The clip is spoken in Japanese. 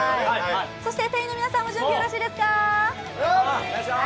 店員の皆さんも準備、よろしいですか？